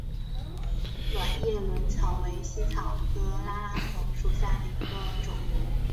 卵叶轮草为茜草科拉拉藤属下的一个种。